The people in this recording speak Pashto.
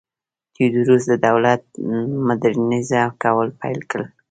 تیودوروس د دولت م وډرنیزه کول پیل کړل.